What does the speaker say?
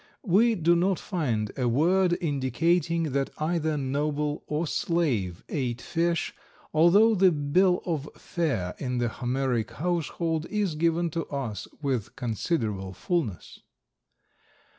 We do not find a word indicating that either noble or slave ate fish, although the bill of fare in the Homeric household is given to us with considerable fullness.